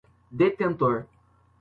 detentor